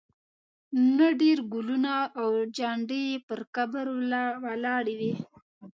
نه ډېر ګلونه او جنډې یې پر قبر ولاړې وې.